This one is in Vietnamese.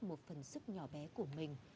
một phần sức nhỏ bé của mình